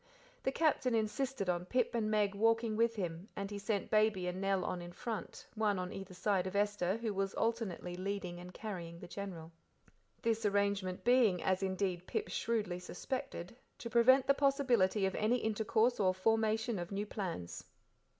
The Captain insisted on Pip and Meg walking with him, and he sent Baby and Nell on in front, one on either side of Esther, who was alternately leading and carrying the General. This arrangement being, as indeed Pip shrewdly suspected; to prevent the possibility of any intercourse or formation of new plans.